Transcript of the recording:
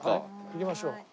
行きましょう。